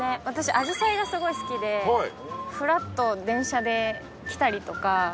私あじさいがすごい好きでふらっと電車で来たりとか。